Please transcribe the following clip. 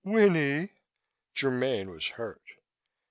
"Winnie!" Germaine was hurt.